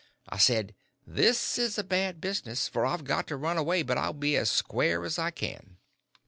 "I said, 'This is a bad business, for I've got to run away, but I'll be as square as I can.'"